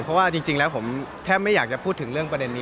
เพราะว่าจริงแล้วผมแค่ไม่อยากจะพูดถึงเรื่องประเด็นนี้